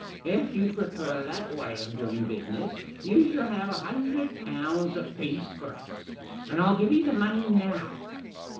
" If you prefer that way of doing business you shall have a hundred pounds apiece for us, and I'll give you the money now."